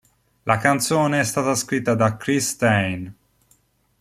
La canzone è stata scritta da Chris Stein.